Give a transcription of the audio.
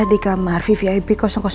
di kamar vvip satu